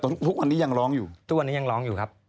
ทุกวันนี้ยังร้องอยู่ทุกวันนี้ยังร้องอยู่ครับ